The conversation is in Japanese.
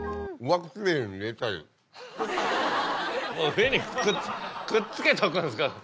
上にくっつけとくんですか。